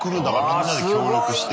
みんなで協力して。